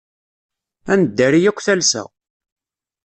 Ad neddari akk talsa.